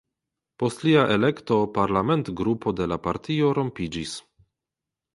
Post lia elekto parlamentgrupo de la partio rompiĝis.